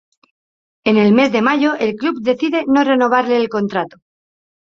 En el mes de mayo el club decide no renovarle el contrato.